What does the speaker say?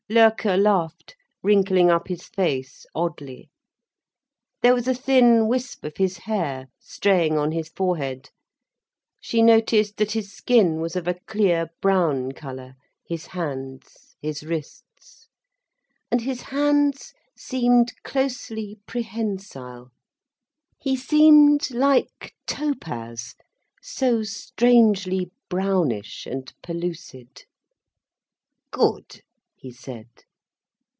Loerke laughed, wrinkling up his face oddly. There was a thin wisp of his hair straying on his forehead, she noticed that his skin was of a clear brown colour, his hands, his wrists. And his hands seemed closely prehensile. He seemed like topaz, so strangely brownish and pellucid. "Good," he said.